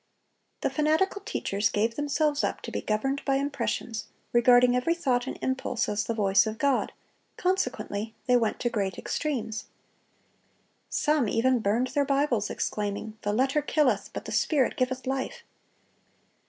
(277) The fanatical teachers gave themselves up to be governed by impressions, regarding every thought and impulse as the voice of God; consequently they went to great extremes. Some even burned their Bibles, exclaiming, "The letter killeth, but the Spirit giveth life."